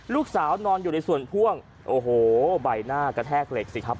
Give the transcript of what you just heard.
นอนอยู่ในส่วนพ่วงโอ้โหใบหน้ากระแทกเหล็กสิครับ